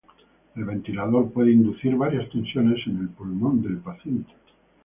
El ventilador puede inducir varias tensiones en el pulmón del paciente.